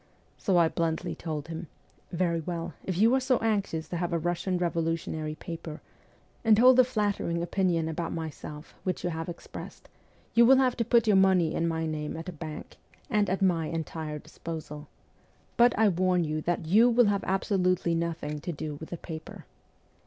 So I bluntly told him :' Very well, if you are so anxious to have a Russian revolutionary paper, and hold the flattering opinion about myself which you have expressed, you will have to put your money in my name at a bank, and at my entire disposal. But I warn you that you will have absolutely nothing to do with the paper.'